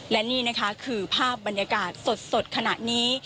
และนี่นะคะคือภาพบรรยากาศสดขณะนี้